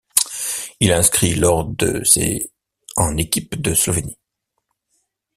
Il a inscrit lors de ses en équipe de Slovénie.